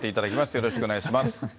よろしくお願いします。